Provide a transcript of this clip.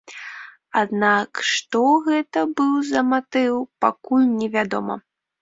Аднак што гэта быў за матыў, пакуль не вядома.